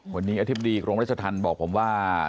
วันนี้อธิบดีกรมรัชธรรมบอกผมว่า